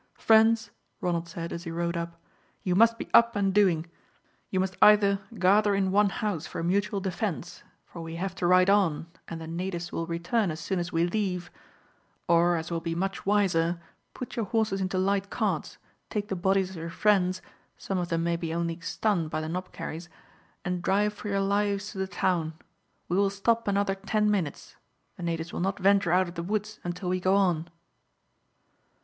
"Friends," Ronald said, as he rode up, "you must be up and doing. You must either gather in one house for mutual defence for we have to ride on and the natives will return as soon as we leave or as will be much wiser, put your horses into light carts, take the bodies of your friends, some of them may be only stunned by the knobkerries, and drive for your lives to the town. We will stop another ten minutes. The natives will not venture out of the woods until we go on."